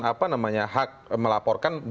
apa namanya hak melaporkan